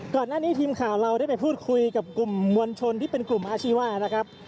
ทีมข่าวเราได้ไปพูดคุยกับกลุ่มมวลชนที่เป็นกลุ่มอาชีวะนะครับ